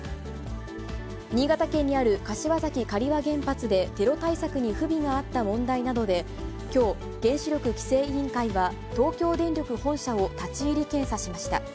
新潟県にある柏崎刈羽原発で、テロ対策に不備があった問題などで、きょう、原子力規制委員会は、東京電力本社を立ち入り検査しました。